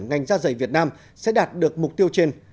ngành da dày việt nam sẽ đạt được mục tiêu trên